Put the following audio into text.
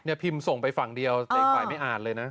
พิมพ์ส่งไปฝั่งเดียวแต่อีกฝ่ายไม่อ่านเลยนะ